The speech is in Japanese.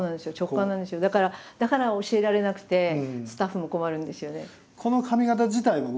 だからだから教えられなくてスタッフも困るんですよね。